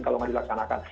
kalau tidak dilaksanakan